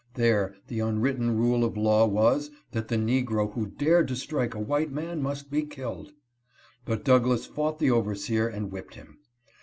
There the unwritten rule of law was, that the negro who dared to strike a white man must be killed ; but Douglass fought the overseer and whipped him.